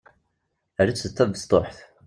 Err-itt d tabesṭuḥt.